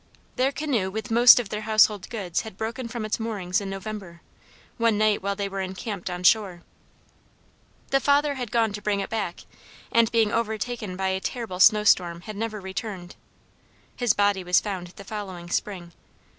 Their canoe with most of their household goods had broken from its moorings in November, one night while they were encamped on the shore. The father had gone to bring it back, and being overtaken by a terrible snow storm, had never returned. [His body was found the following spring.